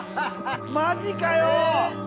マジかよ！？